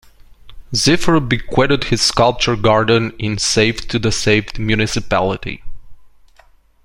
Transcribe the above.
Ziffer bequeathed his sculpture garden in Safed to the Safed Municipality.